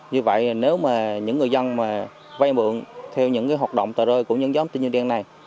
như vậy nếu mà những người dân vay mượn theo những hoạt động tờ rơi của những nhóm tín dụng đen này